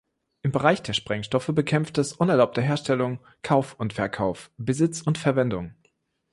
Im Bereich der Sprengstoffe bekämpft es unerlaubte Herstellung, Kauf und Verkauf, Besitz und Verwendung.